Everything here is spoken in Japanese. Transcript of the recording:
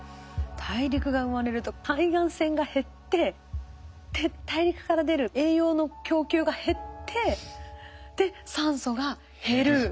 大陸が生まれると海岸線が減ってで大陸から出る栄養の供給が減ってで酸素が減る。